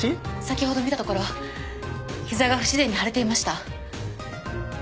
先ほど見たところ膝が不自然に腫れていました。